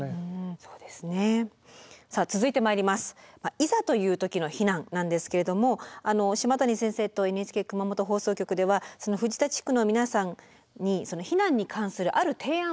いざという時の避難なんですけれども島谷先生とＮＨＫ熊本放送局では藤田地区の皆さんに避難に関するある提案をなさったと。